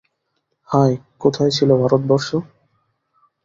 হায়, কোথায় ছিল ভারতবর্ষ!